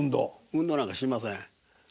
運動なんかしません。